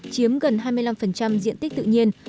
chiếm gần hai mươi năm diện tích tự nhiên